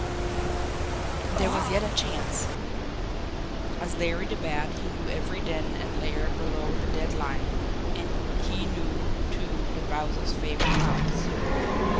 There was yet a chance. As Larry the Bat he knew every den and lair below the dead line, and he knew, too, the Wowzer's favourite haunts.